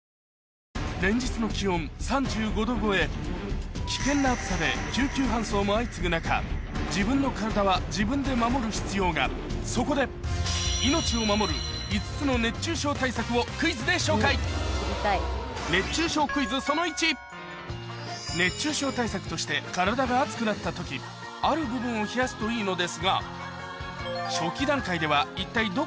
連日の気温３５℃超え危険な暑さで救急搬送も相次ぐ中自分の体は自分で守る必要がそこで命を守る５つの熱中症対策をクイズで紹介熱中症対策として熱出た時とかに冷やしたりするもんね。